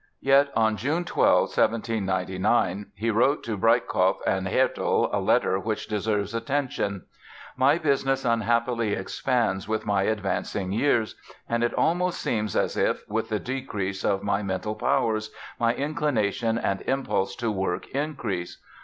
Yet on June 12, 1799, he wrote to Breitkopf und Härtel a letter which deserves attention: "My business unhappily expands with my advancing years, and it almost seems as if, with the decrease of my mental powers, my inclination and impulse to work increase.